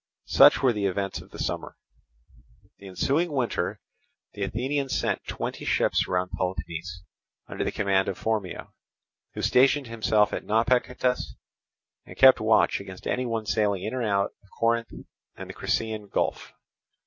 Such were the events of the summer. The ensuing winter the Athenians sent twenty ships round Peloponnese, under the command of Phormio, who stationed himself at Naupactus and kept watch against any one sailing in or out of Corinth and the Crissaean Gulf.